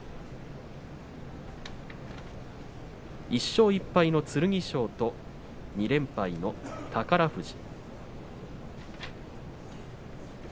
１勝１敗の剣翔と２連敗の宝富士。